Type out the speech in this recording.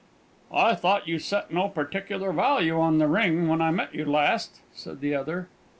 "I thought you set no particular value on the ring when I met you last?" said the other.